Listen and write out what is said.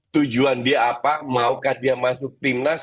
tujuan dia apa maukah dia masuk tim nasional